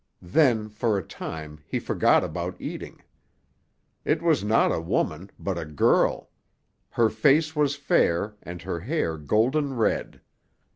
Then, for a time, he forgot about eating. It was not a woman but a girl. Her face was fair and her hair golden red.